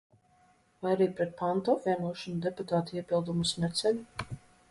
Vai arī pret pantu apvienošanu deputāti iebildumus neceļ?